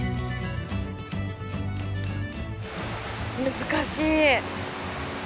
難しい。